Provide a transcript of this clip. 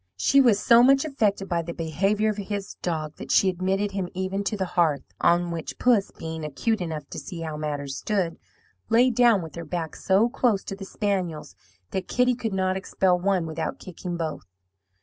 She was so much affected by the behaviour of his dog that she admitted him even to the hearth; on which puss, being acute enough to see how matters stood, lay down with her back so close to the spaniel's that Kitty could not expel one without kicking both.